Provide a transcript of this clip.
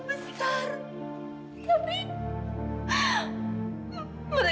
kamu harus sabar